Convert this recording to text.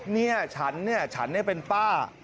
เนี่ยฉันเนี่ยฉันเนี่ยเป็นป้า